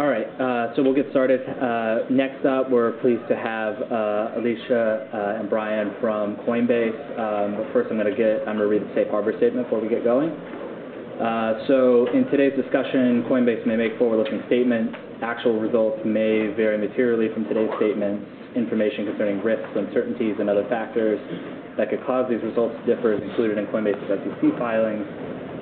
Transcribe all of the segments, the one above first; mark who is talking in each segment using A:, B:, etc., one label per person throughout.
A: All right, so we'll get started. Next up, we're pleased to have Alesia and Brian from Coinbase, but first I'm gonna read the safe harbor statement before we get going, so in today's discussion, Coinbase may make forward-looking statements. Actual results may vary materially from today's statements. Information concerning risks, uncertainties, and other factors that could cause these results to differ is included in Coinbase's SEC filings.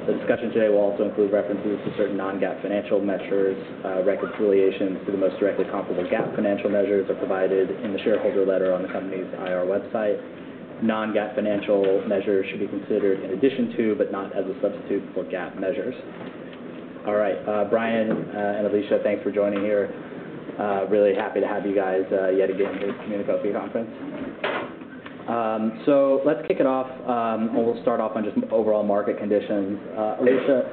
A: The discussion today will also include references to certain non-GAAP financial measures. Reconciliations to the most directly comparable GAAP financial measures are provided in the shareholder letter on the company's IR website. Non-GAAP financial measures should be considered in addition to, but not as a substitute for GAAP measures. All right, Brian and Alesia, thanks for joining here. Really happy to have you guys yet again in the Communacopia conference, so let's kick it off, and we'll start off on just overall market conditions. Alesia,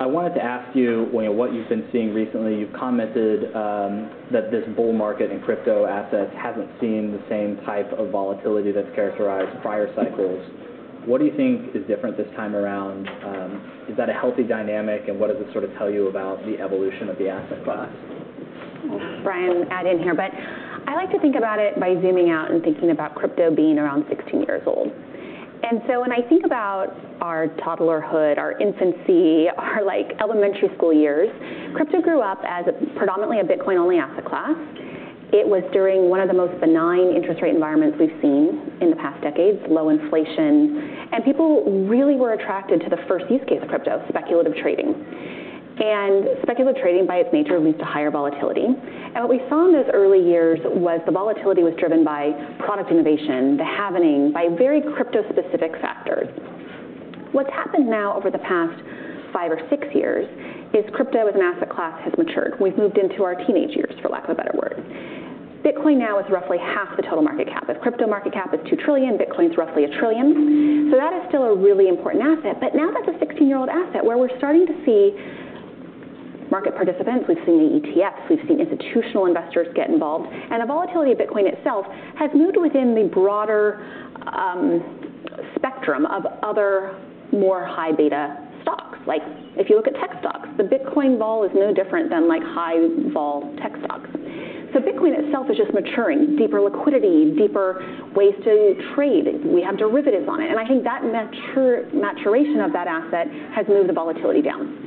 A: I wanted to ask you, you know, what you've been seeing recently. You've commented that this bull market in crypto assets hasn't seen the same type of volatility that's characterized prior cycles. What do you think is different this time around? Is that a healthy dynamic, and what does it sort of tell you about the evolution of the asset class?
B: Brian, add in here, but I like to think about it by zooming out and thinking about crypto being around sixteen years old. And so when I think about our toddlerhood, our infancy, our, like, elementary school years, crypto grew up as a predominantly a Bitcoin-only asset class. It was during one of the most benign interest rate environments we've seen in the past decades, low inflation, and people really were attracted to the first use case of crypto, speculative trading. And speculative trading, by its nature, leads to higher volatility. And what we saw in those early years was the volatility was driven by product innovation, the halvening, by very crypto-specific factors. What's happened now over the past five or six years is crypto as an asset class has matured. We've moved into our teenage years, for lack of a better word. Bitcoin now is roughly half the total market cap. If crypto market cap is two trillion, Bitcoin is roughly a trillion. So that is still a really important asset, but now that's a sixteen-year-old asset, where we're starting to see market participants. We've seen the ETFs. We've seen institutional investors get involved. And the volatility of Bitcoin itself has moved within the broader spectrum of other more high beta stocks. Like, if you look at tech stocks, the Bitcoin vol is no different than, like, high vol tech stocks. So Bitcoin itself is just maturing, deeper liquidity, deeper ways to trade. We have derivatives on it, and I think that maturation of that asset has moved the volatility down.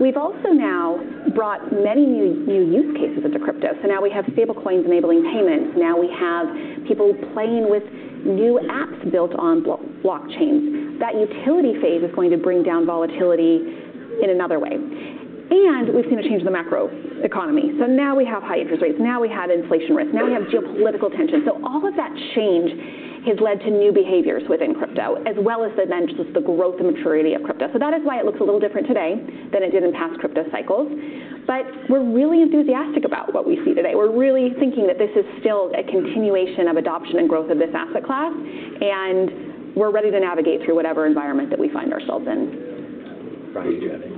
B: We've also now brought many new, new use cases into crypto. So now we have stablecoins enabling payments. Now we have people playing with new apps built on blockchains. That utility phase is going to bring down volatility in another way, and we've seen a change in the macro economy, so now we have high interest rates, now we have inflation risk, now we have geopolitical tension. So all of that change has led to new behaviors within crypto, as well as then just the growth and maturity of crypto. That is why it looks a little different today than it did in past crypto cycles, but we're really enthusiastic about what we see today. We're really thinking that this is still a continuation of adoption and growth of this asset class, and we're ready to navigate through whatever environment that we find ourselves in.
A: Brian, do you have anything?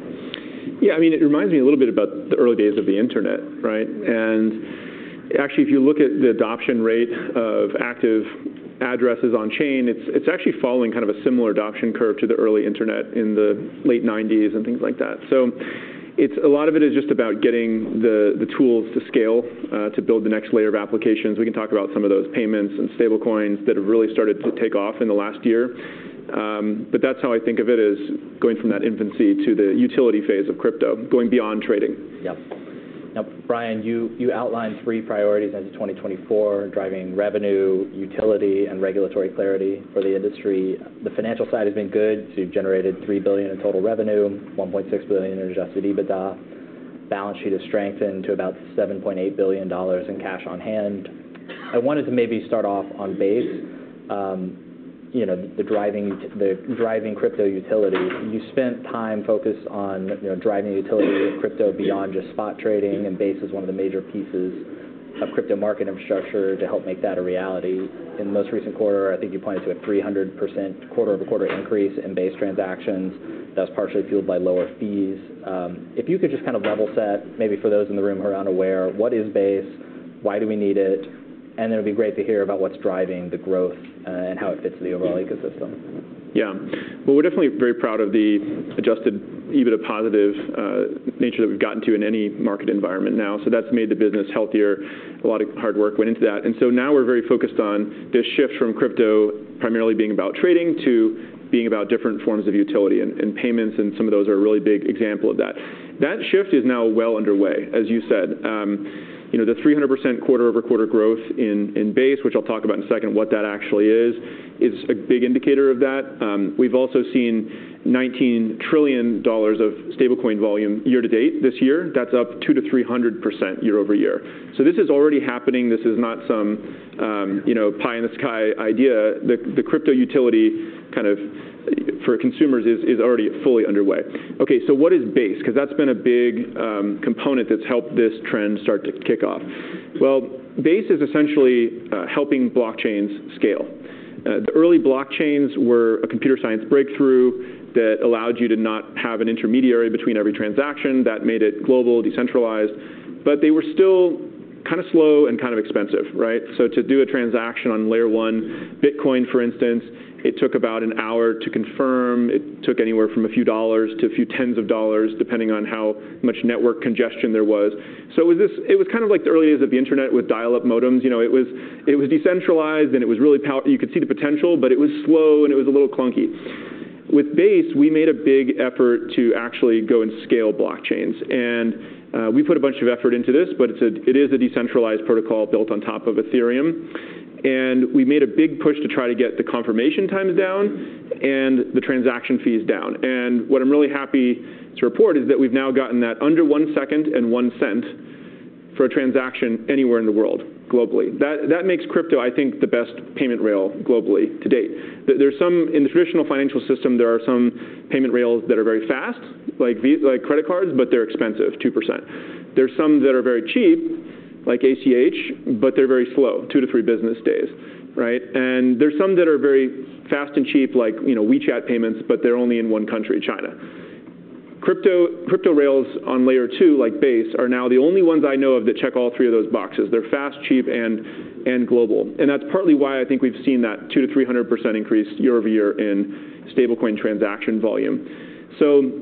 C: Yeah, I mean, it reminds me a little bit about the early days of the internet, right? And actually, if you look at the adoption rate of active addresses on chain, it's actually following kind of a similar adoption curve to the early internet in the late nineties and things like that. So it's a lot of it is just about getting the tools to scale, to build the next layer of applications. We can talk about some of those payments and stablecoins that have really started to take off in the last year. But that's how I think of it, as going from that infancy to the utility phase of crypto, going beyond trading.
A: Yep. Now, Brian, you outlined three priorities as of twenty twenty-four: driving revenue, utility, and regulatory clarity for the industry. The financial side has been good, so you've generated $3 billion in total revenue, $1.6 billion in Adjusted EBITDA. Balance sheet has strengthened to about $7.8 billion in cash on hand. I wanted to maybe start off on Base, you know, driving crypto utility. You spent time focused on, you know, driving utility with crypto beyond just spot trading, and Base is one of the major pieces of crypto market infrastructure to help make that a reality. In the most recent quarter, I think you pointed to a 300% quarter-over-quarter increase in Base transactions. That's partially fueled by lower fees. If you could just kind of level set, maybe for those in the room who are unaware, what is Base? Why do we need it? And it'd be great to hear about what's driving the growth, and how it fits the overall ecosystem.
C: Yeah. Well, we're definitely very proud of the Adjusted EBITDA positive nature that we've gotten to in any market environment now. So that's made the business healthier. A lot of hard work went into that. And so now we're very focused on this shift from crypto primarily being about trading to being about different forms of utility and payments, and some of those are a really big example of that. That shift is now well underway, as you said. You know, the 300% quarter-over-quarter growth in Base, which I'll talk about in a second, what that actually is, is a big indicator of that. We've also seen $19 trillion of stablecoin volume year to date this year. That's up 200%-300% year-over-year. So this is already happening. This is not some, you know, pie in the sky idea. The crypto utility kind of for consumers is already fully underway. Okay, so what is Base? 'Cause that's been a big component that's helped this trend start to kick off. Well, Base is essentially helping blockchains scale. The early blockchains were a computer science breakthrough that allowed you to not have an intermediary between every transaction. That made it global, decentralized, but they were still kind of slow and kind of expensive, right? So to do a transaction on Layer 1, Bitcoin, for instance, it took about an hour to confirm. It took anywhere from a few dollars to a few tens of dollars, depending on how much network congestion there was. So with this, it was kind of like the early days of the internet with dial-up modems. You know, it was decentralized, and it was really powerful. You could see the potential, but it was slow, and it was a little clunky. With Base, we made a big effort to actually go and scale blockchains, and we put a bunch of effort into this, but it is a decentralized protocol built on top of Ethereum. And we made a big push to try to get the confirmation times down and the transaction fees down. And what I'm really happy to report is that we've now gotten that under one second and one cent for a transaction anywhere in the world, globally. That makes crypto, I think, the best payment rail globally to date. In the traditional financial system, there are some payment rails that are very fast, like credit cards, but they're expensive, 2%. There are some that are very cheap, like ACH, but they're very slow, two to three business days, right? And there's some that are very fast and cheap, like, you know, WeChat payments, but they're only in one country, China. Crypto, crypto rails on Layer 2, like Base, are now the only ones I know of that check all three of those boxes. They're fast, cheap, and global. And that's partly why I think we've seen that 200%-300% increase year-over-year in stablecoin transaction volume. So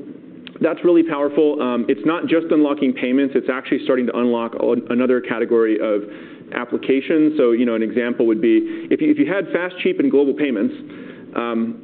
C: that's really powerful. It's not just unlocking payments, it's actually starting to unlock another category of applications. So, you know, an example would be if you, if you had fast, cheap, and global payments,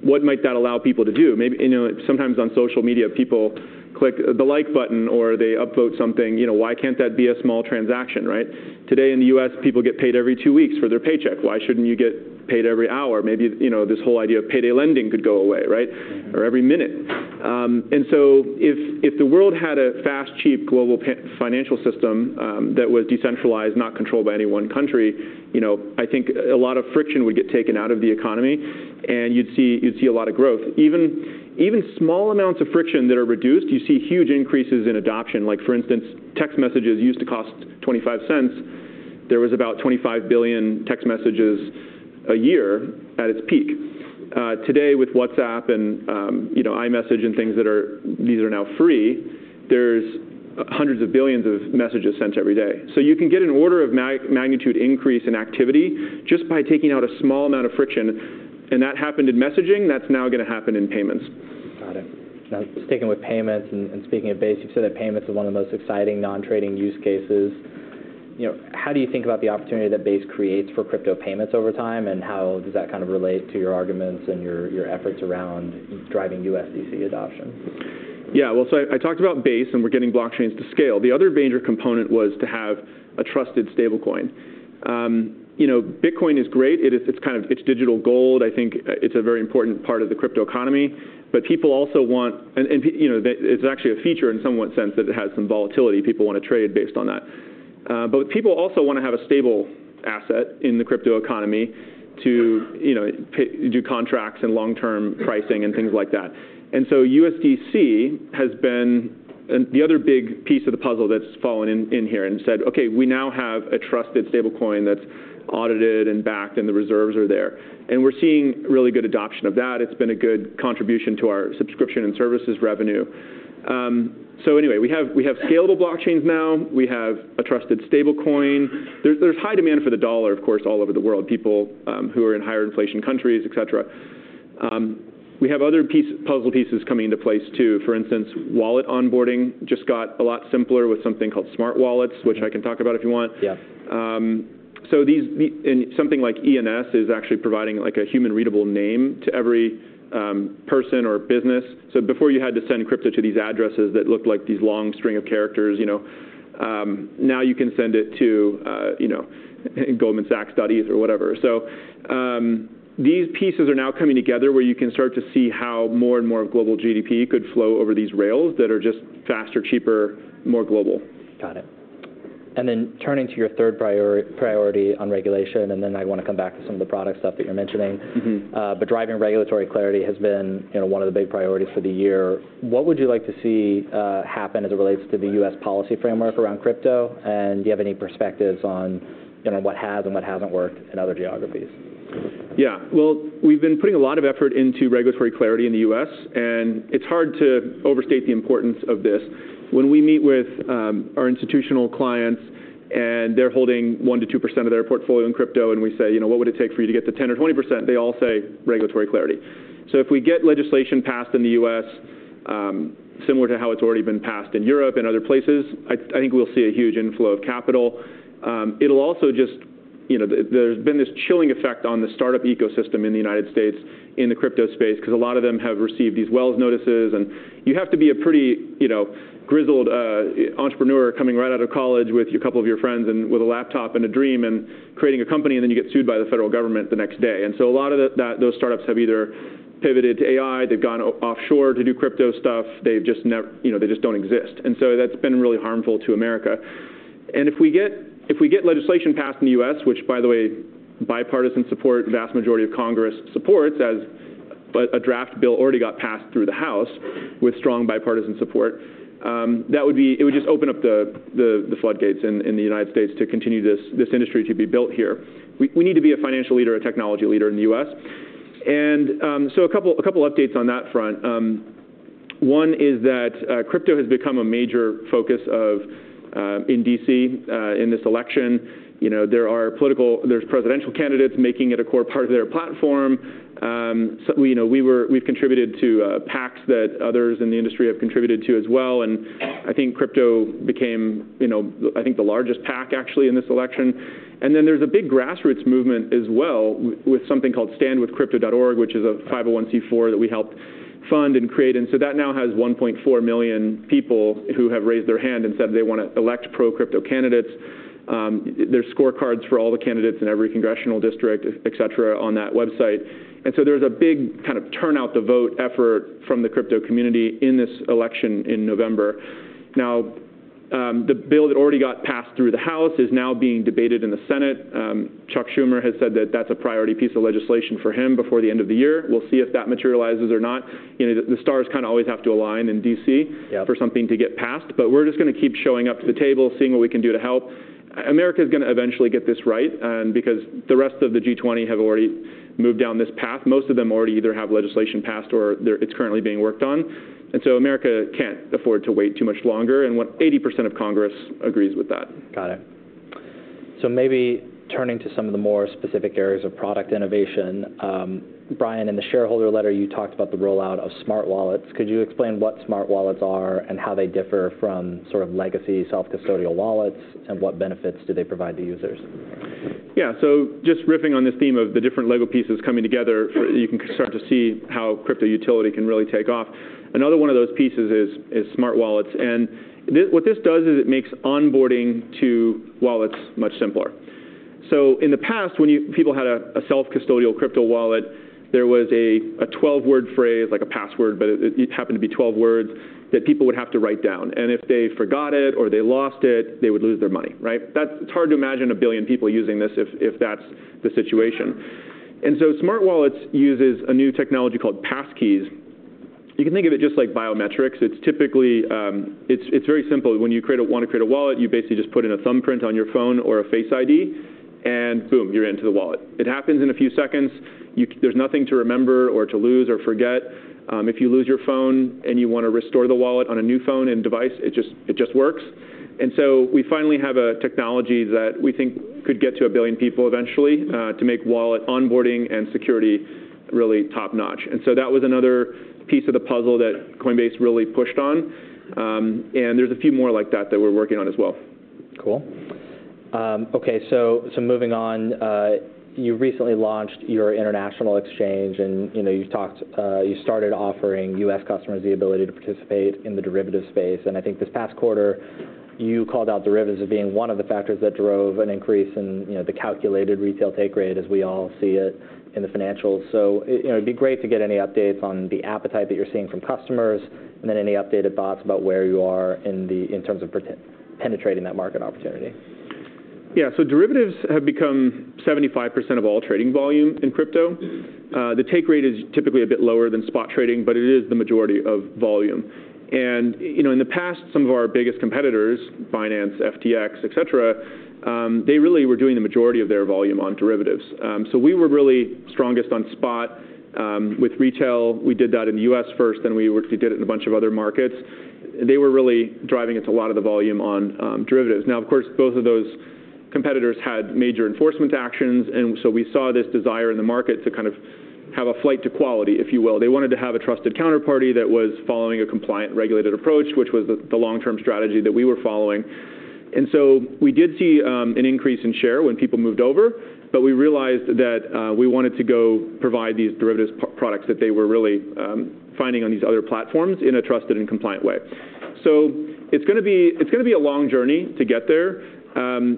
C: what might that allow people to do? Maybe, you know, sometimes on social media, people click the like button or they upvote something. You know, why can't that be a small transaction, right? Today in the U.S., people get paid every two weeks for their paycheck. Why shouldn't you get paid every hour? Maybe, you know, this whole idea of payday lending could go away, right? Or every minute. And so if the world had a fast, cheap, global payment financial system that was decentralized, not controlled by any one country, you know, I think a lot of friction would get taken out of the economy, and you'd see a lot of growth. Even small amounts of friction that are reduced, you see huge increases in adoption. Like, for instance, text messages used to cost $0.25. There was about 25 billion text messages a year at its peak. Today, with WhatsApp and, you know, iMessage and things that are, these are now free, there's hundreds of billions of messages sent every day. So you can get an order of magnitude increase in activity just by taking out a small amount of friction, and that happened in messaging, that's now gonna happen in payments.
A: Got it. Now, sticking with payments and speaking of Base, you've said that payments is one of the most exciting non-trading use cases. You know, how do you think about the opportunity that Base creates for crypto payments over time, and how does that kind of relate to your arguments and your efforts around driving USDC adoption?
C: Yeah. Well, so I talked about Base, and we're getting blockchains to scale. The other major component was to have a trusted stablecoin. You know, Bitcoin is great. It's kind of, it's digital gold. I think, it's a very important part of the crypto economy. But people also want, and people you know, the, it's actually a feature in some sense that it has some volatility. People want to trade based on that. But people also want to have a stable asset in the crypto economy to, you know, do contracts and long-term pricing and things like that. And so USDC has been the other big piece of the puzzle that's fallen in here and said, "Okay, we now have a trusted stablecoin that's audited and backed, and the reserves are there." We're seeing really good adoption of that. It's been a good contribution to our subscription and services revenue. So anyway, we have scalable blockchains now. We have a trusted stablecoin. There's high demand for the dollar, of course, all over the world, people who are in higher inflation countries, et cetera. We have other piece, puzzle pieces coming into place too. For instance, wallet onboarding just got a lot simpler with something called Smart Wallets, which I can talk about if you want.
A: Yeah.
C: Something like ENS is actually providing, like, a human-readable name to every person or business. Before you had to send crypto to these addresses that looked like these long string of characters, you know, now you can send it to, you know, goldmansachs.eth or whatever. These pieces are now coming together, where you can start to see how more and more of global GDP could flow over these rails that are just faster, cheaper, more global.
A: Got it. And then turning to your third priority on regulation, and then I want to come back to some of the product stuff that you're mentioning. But driving regulatory clarity has been, you know, one of the big priorities for the year. What would you like to see happen as it relates to the U.S. policy framework around crypto? And do you have any perspectives on, you know, what has and what hasn't worked in other geographies?
C: Yeah. Well, we've been putting a lot of effort into regulatory clarity in the U.S., and it's hard to overstate the importance of this. When we meet with our institutional clients, and they're holding 1%-2% of their portfolio in crypto, and we say, "You know, what would it take for you to get to 10% or 20%?" They all say, "Regulatory clarity." So if we get legislation passed in the U.S., similar to how it's already been passed in Europe and other places, I think we'll see a huge inflow of capital. It'll also just. You know, there's been this chilling effect on the startup ecosystem in the United States, in the crypto space, 'cause a lot of them have received these Wells notices, and you have to be a pretty, you know, grizzled entrepreneur coming right out of college with a couple of your friends and with a laptop and a dream and creating a company, and then you get sued by the federal government the next day. A lot of those startups have either pivoted to AI, they've gone offshore to do crypto stuff. They've just, you know, they just don't exist. That's been really harmful to America. If we get legislation passed in the U.S., which, by the way, bipartisan support, vast majority of Congress supports, but a draft bill already got passed through the House with strong bipartisan support, that would be it would just open up the floodgates in the United States to continue this industry to be built here. We need to be a financial leader, a technology leader in the U.S. So a couple updates on that front, one is that crypto has become a major focus in D.C. in this election. You know, there are presidential candidates making it a core part of their platform. So we, you know, we've contributed to PACs that others in the industry have contributed to as well, and I think crypto became, you know, I think the largest PAC actually in this election. Then there's a big grassroots movement as well, with something called StandWithCrypto.org, which is a 501 that we helped fund and create, and so that now has 1.4 million people who have raised their hand and said they wanna elect pro-crypto candidates. There's scorecards for all the candidates in every congressional district, etc, on that website. So there's a big kind of turnout to vote effort from the crypto community in this election in November. Now, the bill that already got passed through the House is now being debated in the Senate. Chuck Schumer has said that that's a priority piece of legislation for him before the end of the year. We'll see if that materializes or not. You know, the stars kind of always have to align in DC for something to get passed, but we're just gonna keep showing up to the table, seeing what we can do to help. America's gonna eventually get this right, because the rest of the G20 have already moved down this path. Most of them already either have legislation passed or it's currently being worked on, and so America can't afford to wait too much longer, and what, 80% of Congress agrees with that.
A: Got it. So maybe turning to some of the more specific areas of product innovation, Brian, in the shareholder letter, you talked about the rollout of smart wallets. Could you explain what smart wallets are, and how they differ from sort of legacy self-custodial wallets, and what benefits do they provide to users?
C: Yeah, so just riffing on this theme of the different Lego pieces coming together, you can start to see how crypto utility can really take off. Another one of those pieces is Smart Wallets, and this, what this does, is it makes onboarding to wallets much simpler. So in the past, people had a self-custodial crypto wallet, there was a twelve-word phrase, like a password, but it happened to be twelve words, that people would have to write down, and if they forgot it or they lost it, they would lose their money, right? That's. It's hard to imagine a billion people using this if that's the situation. And so smart wallets uses a new technology called passkeys. You can think of it just like biometrics. It's typically. It's very simple. When you want to create a wallet, you basically just put in a thumbprint on your phone or a Face ID, and boom, you're into the wallet. It happens in a few seconds. There's nothing to remember or to lose or forget. If you lose your phone, and you want to restore the wallet on a new phone and device, it just works. And so we finally have a technology that we think could get to a billion people eventually, to make wallet onboarding and security really top-notch. And so that was another piece of the puzzle that Coinbase really pushed on. And there's a few more like that, that we're working on as well.
A: Cool. Okay, so moving on, you recently launched your international exchange, and, you know, you started offering U.S. customers the ability to participate in the derivative space, and I think this past quarter, you called out derivatives as being one of the factors that drove an increase in, you know, the calculated retail take rate, as we all see it in the financials. So it, you know, it'd be great to get any updates on the appetite that you're seeing from customers, and then any updated thoughts about where you are in the in terms of penetrating that market opportunity.
C: Yeah, so derivatives have become 75% of all trading volume in crypto. The take rate is typically a bit lower than spot trading, but it is the majority of volume, and you know, in the past, some of our biggest competitors, Binance, FTX, etc., they really were doing the majority of their volume on derivatives. So we were really strongest on spot with retail. We did that in the U.S. first, then we worked to do it in a bunch of other markets. They were really driving it to a lot of the volume on derivatives. Now, of course, both of those competitors had major enforcement actions, and so we saw this desire in the market to kind of have a flight to quality, if you will. They wanted to have a trusted counterparty that was following a compliant, regulated approach, which was the long-term strategy that we were following. And so we did see an increase in share when people moved over, but we realized that we wanted to go provide these derivatives products that they were really finding on these other platforms in a trusted and compliant way. So it's gonna be a long journey to get there.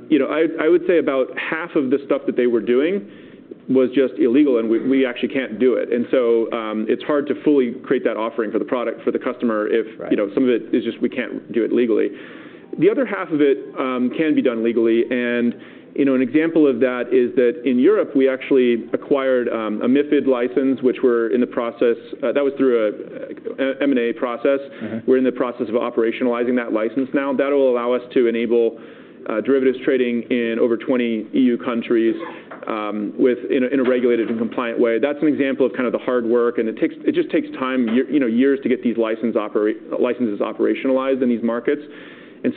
C: You know, I would say about half of the stuff that they were doing was just illegal, and we actually can't do it. And so it's hard to fully create that offering for the product, for the customer if you know, some of it is just we can't do it legally. The other half of it can be done legally, and, you know, an example of that is that in Europe, we actually acquired a MiFID license, which we're in the process, that was through an M&A process. We're in the process of operationalizing that license now. That will allow us to enable derivatives trading in over 20 EU countries within a regulated and compliant way. That's an example of kind of the hard work, and it just takes time, you know, years to get these licenses operationalized in these markets.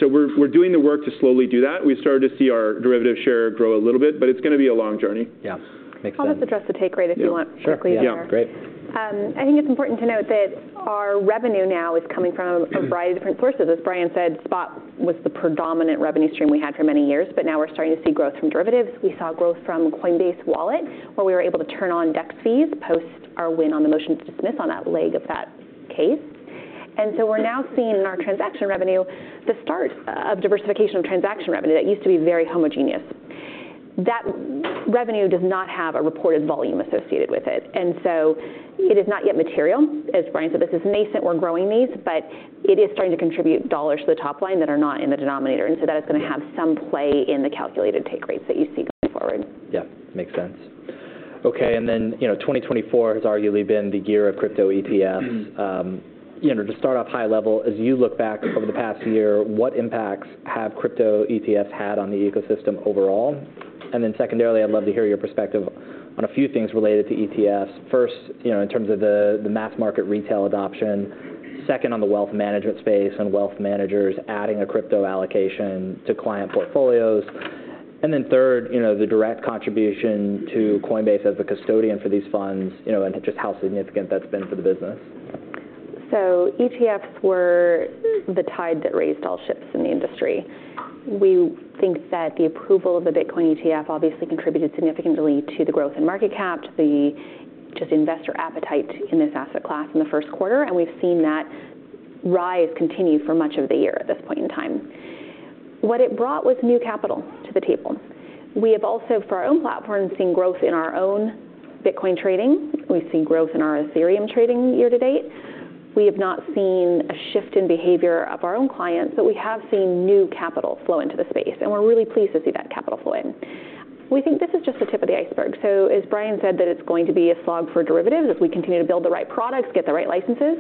C: So we're doing the work to slowly do that. We've started to see our derivative share grow a little bit, but it's gonna be a long journey.
A: Yeah, makes sense.
B: I'll just address the take rate, if you want-
A: Sure.
B: Quickly.
A: Yeah, great.
B: I think it's important to note that our revenue now is coming from a variety of different sources. As Brian said, spot was the predominant revenue stream we had for many years, but now we're starting to see growth from derivatives. We saw growth from Coinbase Wallet, where we were able to turn on DEX fees, post our win on the motion to dismiss on that leg of that case. And so we're now seeing in our transaction revenue, the start of diversification of transaction revenue that used to be very homogeneous. That revenue does not have a reported volume associated with it, and so it is not yet material. As Brian said, this is nascent. We're growing these, but it is starting to contribute dollars to the top line that are not in the denominator, and so that is gonna have some play in the calculated take rates that you see going forward.
A: Yeah, makes sense. Okay, and then, you know, twenty twenty-four has arguably been the year of crypto ETFs. You know, to start off high level, as you look back over the past year, what impacts have crypto ETFs had on the ecosystem overall? And then secondarily, I'd love to hear your perspective on a few things related to ETFs. First, you know, in terms of the mass market retail adoption. Second, on the wealth management space, and wealth managers adding a crypto allocation to client portfolios. And then third, you know, the direct contribution to Coinbase as the custodian for these funds, you know, and just how significant that's been for the business.
B: ETFs were the tide that raised all ships in the industry. We think that the approval of the Bitcoin ETF obviously contributed significantly to the growth in market cap, to the just investor appetite in this asset class in the first quarter, and we've seen that rise continue for much of the year at this point in time. What it brought was new capital to the table. We have also, for our own platform, seen growth in our own Bitcoin trading. We've seen growth in our Ethereum trading year to date. We have not seen a shift in behavior of our own clients, but we have seen new capital flow into the space, and we're really pleased to see that capital flow in. We think this is just the tip of the iceberg. So as Brian said, that it's going to be a slog for derivatives as we continue to build the right products, get the right licenses.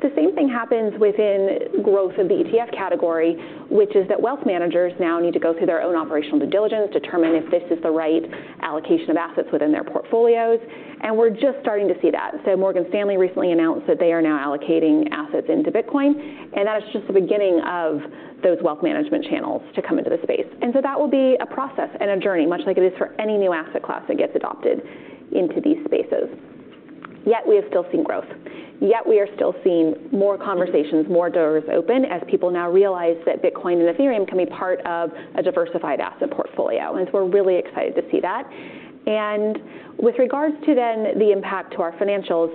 B: The same thing happens within growth of the ETF category, which is that wealth managers now need to go through their own operational due diligence, determine if this is the right allocation of assets within their portfolios, and we're just starting to see that. So Morgan Stanley recently announced that they are now allocating assets into Bitcoin, and that is just the beginning of those wealth management channels to come into the space. And so that will be a process and a journey, much like it is for any new asset class that gets adopted into these spaces. Yet we have still seen growth. Yet we are still seeing more conversations, more doors open, as people now realize that Bitcoin and Ethereum can be part of a diversified asset portfolio, and so we're really excited to see that. And with regards to then the impact to our financials,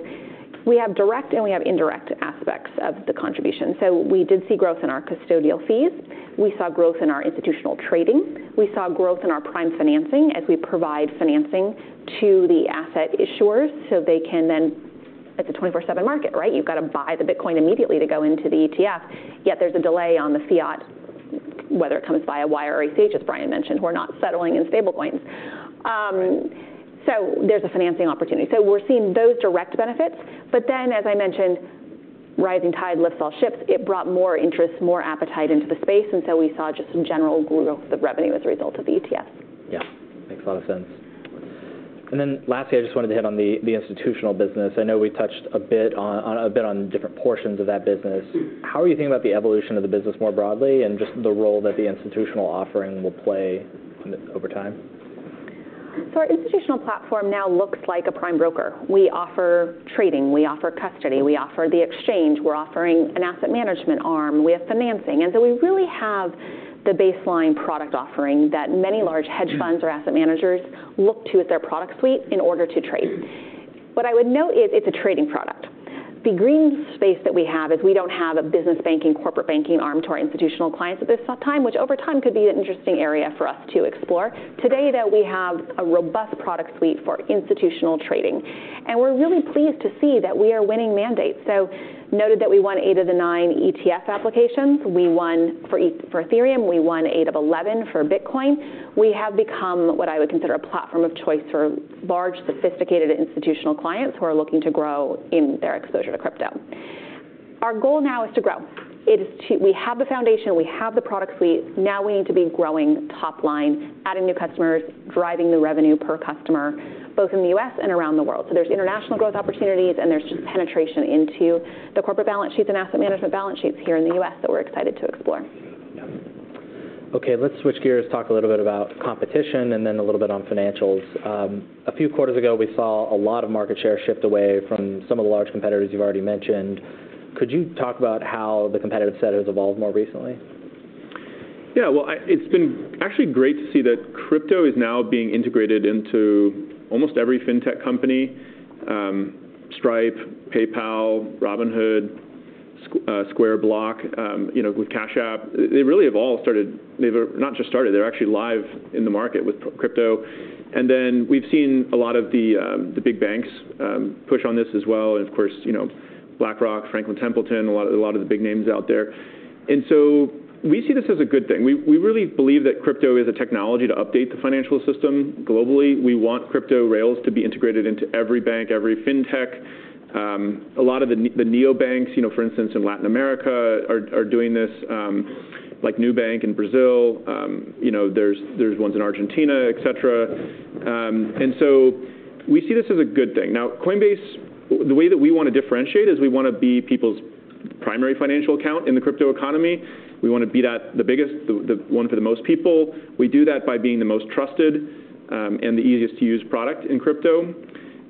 B: we have direct, and we have indirect aspects of the contribution. So we did see growth in our custodial fees. We saw growth in our institutional trading. We saw growth in our prime financing as we provide financing to the asset issuers, so they can then, it's a twenty-four-seven market, right? You've got to buy the Bitcoin immediately to go into the ETF, yet there's a delay on the fiat, whether it comes via wire or ACH, as Brian mentioned. We're not settling in stablecoins. So there's a financing opportunity. So we're seeing those direct benefits, but then, as I mentioned, rising tide lifts all ships. It brought more interest, more appetite into the space, and so we saw just some general growth of revenue as a result of the ETFs.
A: Yeah. Makes a lot of sense. And then lastly, I just wanted to hit on the institutional business. I know we touched a bit on different portions of that business. How are you thinking about the evolution of the business more broadly, and just the role that the institutional offering will play in this over time?
B: So our institutional platform now looks like a prime broker. We offer trading, we offer custody, we offer the exchange, we're offering an asset management arm, we have financing. And so we really have the baseline product offering that many large hedge funds or asset managers look to at their product suite in order to trade. What I would note is, it's a trading product. The green space that we have is we don't have a business banking, corporate banking arm to our institutional clients at this time, which over time could be an interesting area for us to explore. Today, though, we have a robust product suite for institutional trading, and we're really pleased to see that we are winning mandates. So noted that we won eight of the nine ETF applications. We won for Ethereum, we won eight of 11 for Bitcoin. We have become what I would consider a platform of choice for large, sophisticated institutional clients who are looking to grow in their exposure to crypto. Our goal now is to grow. It is to. We have the foundation, we have the product suite. Now we need to be growing top line, adding new customers, driving new revenue per customer, both in the U.S. and around the world. So there's international growth opportunities, and there's just penetration into the corporate balance sheets and asset management balance sheets here in the U.S. that we're excited to explore.
A: Okay, let's switch gears, talk a little bit about competition and then a little bit on financials. A few quarters ago, we saw a lot of market share shift away from some of the large competitors you've already mentioned. Could you talk about how the competitive set has evolved more recently?
C: Yeah, well, it's been actually great to see that crypto is now being integrated into almost every fintech company, Stripe, PayPal, Robinhood, Square, Block, you know, with Cash App. They really have all started. They've not just started, they're actually live in the market with crypto. Then we've seen a lot of the big banks push on this as well, and of course, you know, BlackRock, Franklin Templeton, a lot of the big names out there. So we see this as a good thing. We really believe that crypto is a technology to update the financial system globally. We want crypto rails to be integrated into every bank, every fintech. A lot of the neobanks, you know, for instance, in Latin America, are doing this, like Nubank in Brazil. You know, there's ones in Argentina, etc., and so we see this as a good thing. Now, Coinbase, the way that we want to differentiate is we want to be people's primary financial account in the crypto economy. We want to be that, the biggest, the one for the most people. We do that by being the most trusted and the easiest-to-use product in crypto.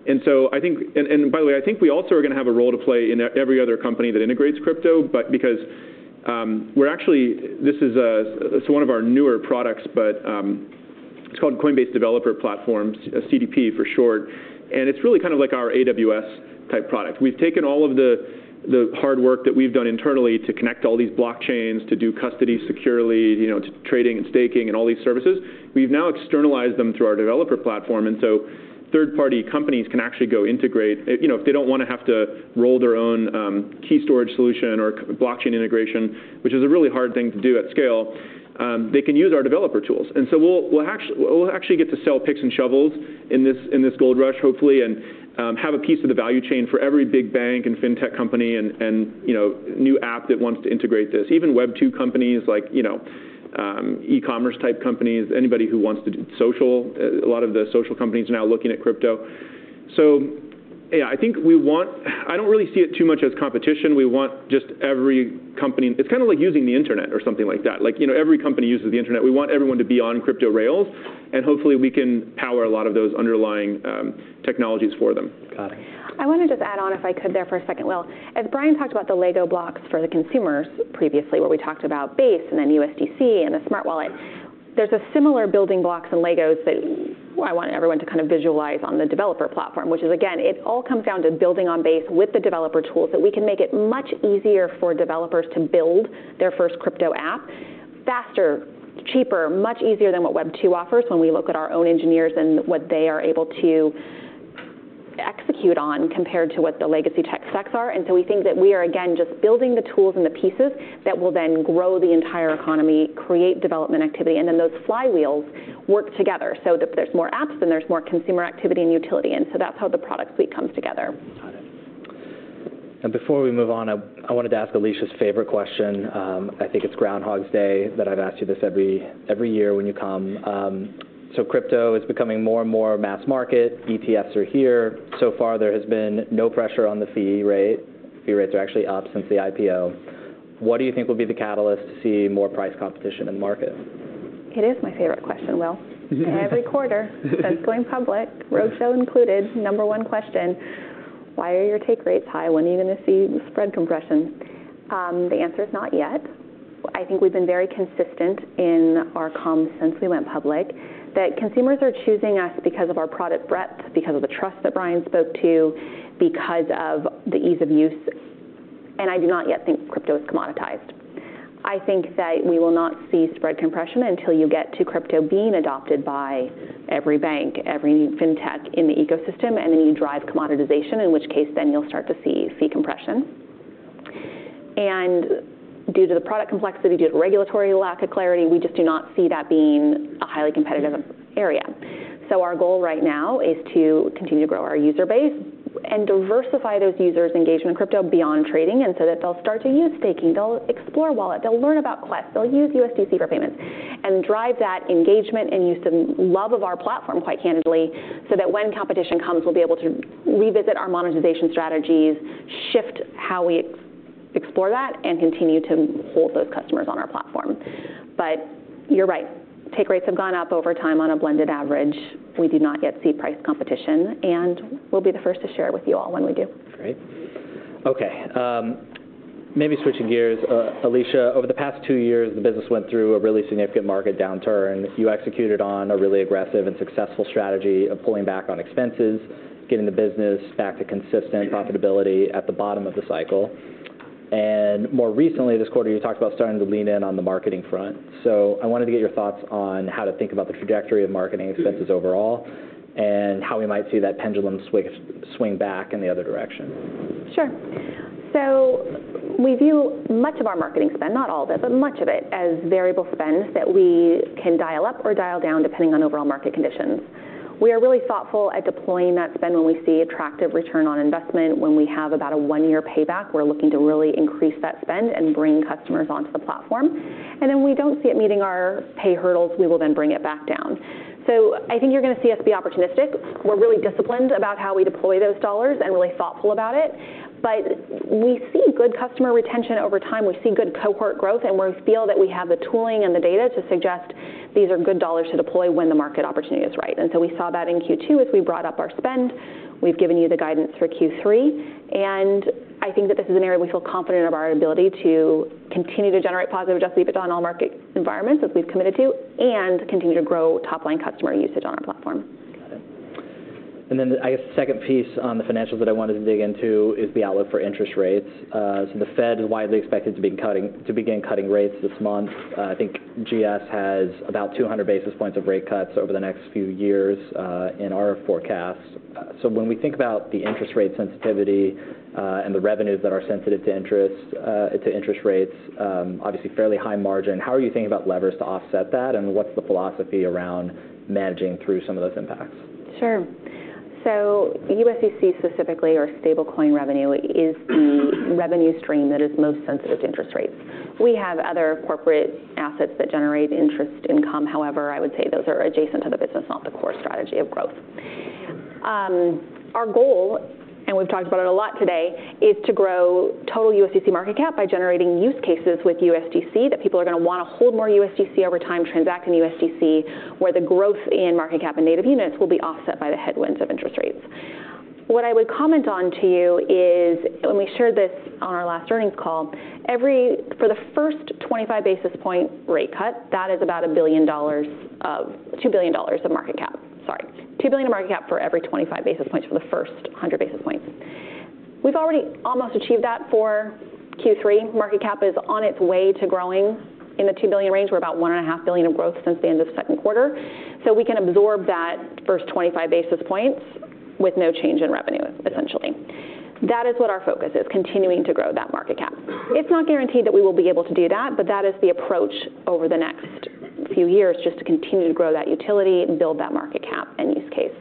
C: And by the way, I think we also are going to have a role to play in every other company that integrates crypto, but because we're actually this is one of our newer products, but it's called Coinbase Developer Platform, CDP for short, and it's really kind of like our AWS-type product. We've taken all of the hard work that we've done internally to connect all these blockchains, to do custody securely, you know, to trading and staking and all these services. We've now externalized them through our developer platform, and so third-party companies can actually go integrate. You know, if they don't want to have to roll their own key storage solution or blockchain integration, which is a really hard thing to do at scale, they can use our developer tools. And so we'll actually get to sell picks and shovels in this gold rush, hopefully, and have a piece of the value chain for every big bank and fintech company and, you know, new app that wants to integrate this. Even Web2 companies like, you know, e-commerce type companies, anybody who wants to do social. A lot of the social companies are now looking at crypto. So yeah, I think we want. I don't really see it too much as competition. We want just every company. It's kind of like using the internet or something like that. Like, you know, every company uses the internet. We want everyone to be on crypto rails, and hopefully, we can power a lot of those underlying technologies for them.
A: Got it.
B: I want to just add on, if I could there for a second, Will. As Brian talked about the Lego blocks for the consumers previously, where we talked about Base, and then USDC, and the Smart Wallet, there's a similar building blocks and Legos that I want everyone to kind of visualize on the developer platform, which is, again, it all comes down to building on Base with the developer tools, that we can make it much easier for developers to build their first crypto app faster, cheaper, much easier than what Web2 offers when we look at our own engineers and what they are able to execute on, compared to what the legacy tech stacks are. And so we think that we are, again, just building the tools and the pieces that will then grow the entire economy, create development activity, and then those flywheels work together so that there's more apps, and there's more consumer activity and utility. And so that's how the product suite comes together.
A: Got it. And before we move on, I wanted to ask Alesia's favorite question. I think it's Groundhog's Day that I've asked you this every year when you come, so crypto is becoming more and more mass market. ETFs are here. So far, there has been no pressure on the fee rate. Fee rates are actually up since the IPO. What do you think will be the catalyst to see more price competition in the market?
B: It is my favorite question, Will. Every quarter since going public, roadshow included, number one question. Why are your take rates high? When are you going to see spread compression? The answer is not yet. I think we've been very consistent in our comms since we went public, that consumers are choosing us because of our product breadth, because of the trust that Brian spoke to, because of the ease of use, and I do not yet think crypto is commoditized. I think that we will not see spread compression until you get to crypto being adopted by every bank, every fintech in the ecosystem, and then you drive commoditization, in which case, then you'll start to see fee compression. And due to the product complexity, due to regulatory lack of clarity, we just do not see that being a highly competitive area. So our goal right now is to continue to grow our user base and diversify those users' engagement in crypto beyond trading, and so that they'll start to use staking, they'll explore Wallet, they'll learn about Quest, they'll use USDC for payments, and drive that engagement and use and love of our platform, quite candidly, so that when competition comes, we'll be able to revisit our monetization strategies, shift how we explore that, and continue to hold those customers on our platform. But you're right. Take rates have gone up over time on a blended average. We do not yet see price competition, and we'll be the first to share with you all when we do.
A: Great. Okay, maybe switching gears, Alesia, over the past two years, the business went through a really significant market downturn. You executed on a really aggressive and successful strategy of pulling back on expenses, getting the business back to consistent profitability at the bottom of the cycle. And more recently, this quarter, you talked about starting to lean in on the marketing front. So I wanted to get your thoughts on how to think about the trajectory of marketing expenses overall, and how we might see that pendulum swing back in the other direction.
B: Sure. So we view much of our marketing spend, not all of it, but much of it, as variable spend that we can dial up or dial down, depending on overall market conditions. We are really thoughtful at deploying that spend when we see attractive return on investment. When we have about a one-year payback, we're looking to really increase that spend and bring customers onto the platform. And then when we don't see it meeting our pay hurdles, we will then bring it back down. So I think you're going to see us be opportunistic. We're really disciplined about how we deploy those dollars and really thoughtful about it. But we see good customer retention over time. We see good cohort growth, and we feel that we have the tooling and the data to suggest these are good dollars to deploy when the market opportunity is right. And so we saw that in Q2 as we brought up our spend. We've given you the guidance for Q3, and I think that this is an area we feel confident of our ability to continue to generate positive Adjusted EBITDA on all market environments, as we've committed to, and continue to grow top-line customer usage on our platform.
A: Got it. And then I guess the second piece on the financials that I wanted to dig into is the outlook for interest rates. So the Fed is widely expected to be cutting to begin cutting rates this month. I think GS has about 200 basis points of rate cuts over the next few years, in our forecast. So when we think about the interest rate sensitivity, and the revenues that are sensitive to interest, to interest rates, obviously fairly high margin, how are you thinking about levers to offset that, and what's the philosophy around managing through some of those impacts?
B: Sure. USDC specifically, or stablecoin revenue, is the revenue stream that is most sensitive to interest rates. We have other corporate assets that generate interest income. However, I would say those are adjacent to the business, not the core strategy of growth. Our goal, and we've talked about it a lot today, is to grow total USDC market cap by generating use cases with USDC, that people are going to want to hold more USDC over time, transact in USDC, where the growth in market cap and native units will be offset by the headwinds of interest rates. What I would comment on to you is, and we shared this on our last earnings call, for the first 25 basis point rate cut, that is about $2 billion of market cap, sorry. $2 billion in market cap for every 25 basis points for the first 100 basis points. We've already almost achieved that for Q3. Market cap is on its way to growing in the $2 billion range. We're about $1.5 billion in growth since the end of the second quarter. So we can absorb that first 25 basis points with no change in revenue, essentially. That is what our focus is, continuing to grow that market cap. It's not guaranteed that we will be able to do that, but that is the approach over the next few years, just to continue to grow that utility and build that market cap and use case.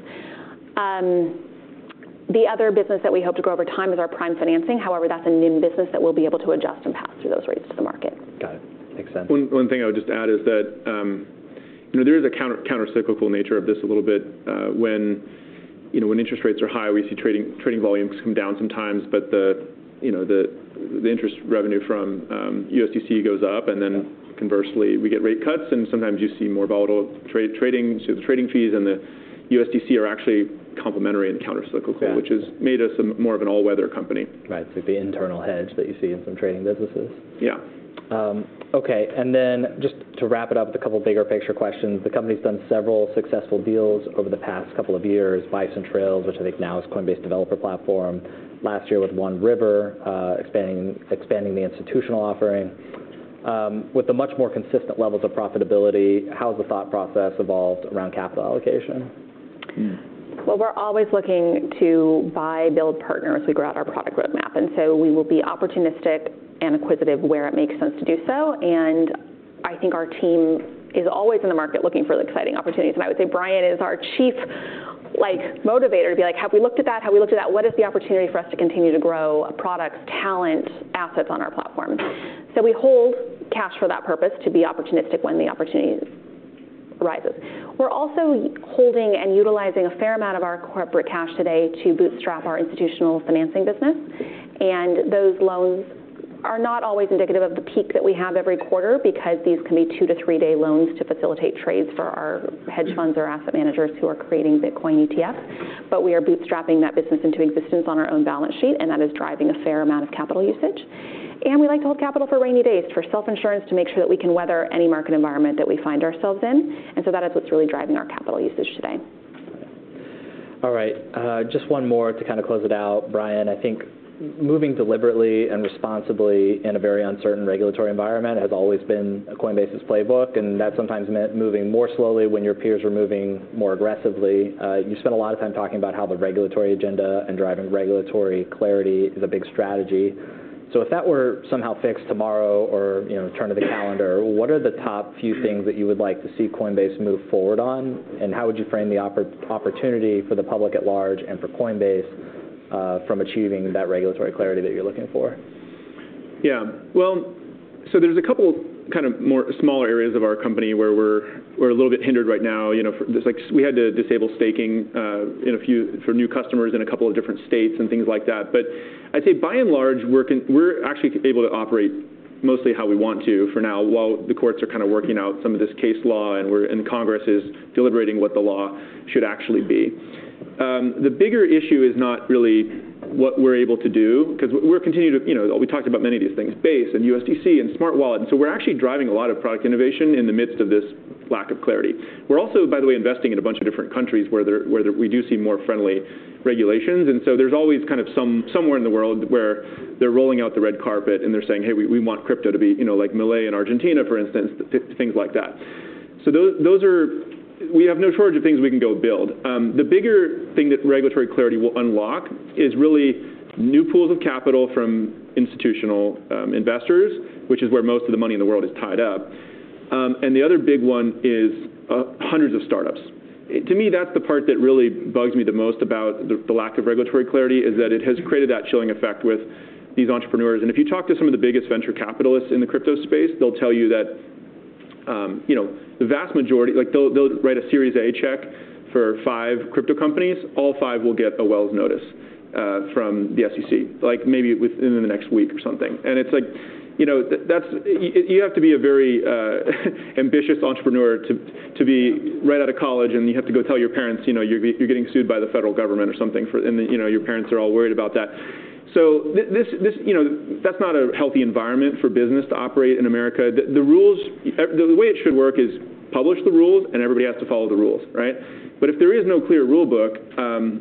B: The other business that we hope to grow over time is our prime financing. However, that's a new business that we'll be able to adjust and pass through those rates to the market.
A: Got it. Makes sense.
C: One thing I would just add is that, you know, there is a counter-countercyclical nature of this a little bit. When you know when interest rates are high, we see trading volumes come down sometimes, but the you know the interest revenue from USDC goes up, and then conversely, we get rate cuts, and sometimes you see more volatile trade, trading. So the trading fees and the USDC are actually complementary and countercyclical which has made us more of an all-weather company.
A: Right, so the internal hedge that you see in some trading businesses.
C: Yeah.
A: Okay, and then just to wrap it up with a couple bigger picture questions, the company's done several successful deals over the past couple of years, Bison Trails, which I think now is Coinbase's developer platform. Last year with One River, expanding the institutional offering. With the much more consistent levels of profitability, how has the thought process evolved around capital allocation?
B: We're always looking to buy, build partners as we grow out our product roadmap, and so we will be opportunistic and acquisitive where it makes sense to do so. I think our team is always in the market looking for exciting opportunities, and I would say Brian is our chief, like, motivator, to be like, "Have we looked at that? Have we looked at that? What is the opportunity for us to continue to grow products, talent, assets on our platform?" We hold cash for that purpose, to be opportunistic when the opportunities arises. We're also holding and utilizing a fair amount of our corporate cash today to bootstrap our institutional financing business, and those loans are not always indicative of the peak that we have every quarter, because these can be two to three-day loans to facilitate trades for our hedge funds or asset managers who are creating Bitcoin ETF, but we are bootstrapping that business into existence on our own balance sheet, and that is driving a fair amount of capital usage, and we like to hold capital for rainy days, for self-insurance, to make sure that we can weather any market environment that we find ourselves in, and so that is what's really driving our capital usage today.
A: All right, just one more to kind of close it out. Brian, I think moving deliberately and responsibly in a very uncertain regulatory environment has always been Coinbase's playbook, and that's sometimes meant moving more slowly when your peers were moving more aggressively. You spent a lot of time talking about how the regulatory agenda and driving regulatory clarity is a big strategy. So if that were somehow fixed tomorrow or, you know, turn of the calendar, what are the top few things that you would like to see Coinbase move forward on, and how would you frame the opportunity for the public at large and for Coinbase, from achieving that regulatory clarity that you're looking for?
C: Yeah. Well, so there's a couple kind of more smaller areas of our company where we're a little bit hindered right now. You know, just like we had to disable staking for new customers in a couple of different states and things like that. But I'd say by and large, we're actually able to operate mostly how we want to for now, while the courts are kind of working out some of this case law, and Congress is deliberating what the law should actually be. The bigger issue is not really what we're able to do, 'cause we're continuing to, you know, we talked about many of these things, Base and USDC and Smart Wallet, and so we're actually driving a lot of product innovation in the midst of this lack of clarity. We're also, by the way, investing in a bunch of different countries, where we do see more friendly regulations, and so there's always kind of somewhere in the world where they're rolling out the red carpet, and they're saying, "Hey, we want crypto to be." You know, like Malaysia and Argentina, for instance, things like that. So those are, we have no shortage of things we can go build. The bigger thing that regulatory clarity will unlock is really new pools of capital from institutional investors, which is where most of the money in the world is tied up. And the other big one is hundreds of startups. To me, that's the part that really bugs me the most about the lack of regulatory clarity, is that it has created that chilling effect with these entrepreneurs. And if you talk to some of the biggest venture capitalists in the crypto space, they'll tell you that, you know, the vast majority, like, they'll write a Series A check for five crypto companies. All five will get a Wells notice from the SEC, like maybe within the next week or something. And it's like, you know, that's. You have to be a very ambitious entrepreneur to be right out of college, and you have to go tell your parents, you know, you're getting sued by the federal government or something, and, you know, your parents are all worried about that. So this, you know, that's not a healthy environment for business to operate in America. The rules, the way it should work is publish the rules, and everybody has to follow the rules, right? But if there is no clear rule book,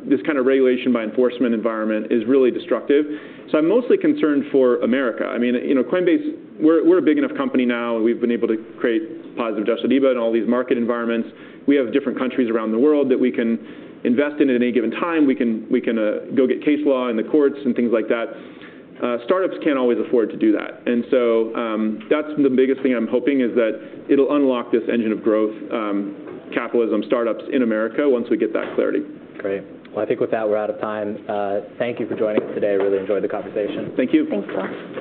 C: this kind of regulation by enforcement environment is really destructive. So I'm mostly concerned for America. I mean, you know, Coinbase, we're a big enough company now, and we've been able to create positive Adjusted EBITDA in all these market environments. We have different countries around the world that we can invest in at any given time. We can go get case law in the courts and things like that. Startups can't always afford to do that, and so, that's the biggest thing I'm hoping, is that it'll unlock this engine of growth, capitalism, startups in America once we get that clarity.
A: Great. I think with that, we're out of time. Thank you for joining us today. I really enjoyed the conversation.
C: Thank you.
B: Thanks, Ross.